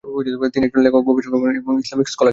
তিনি একজন লেখক, গবেষক, অনুবাদক এবং ইসলামিক স্কলার ছিলেন।